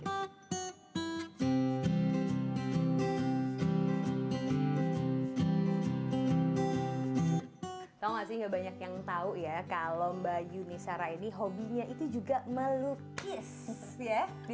hai tahu masih banyak yang tahu ya kalau mbak yuni sarah ini hobinya itu juga melukis ya di